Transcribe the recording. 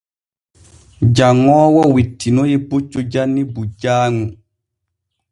Janŋoowo wittinoy puccu janni bujjaaŋu.